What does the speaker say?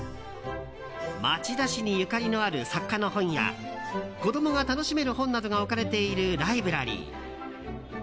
町田市にゆかりのある作家の本や子供が楽しめる本などが置かれているライブラリー。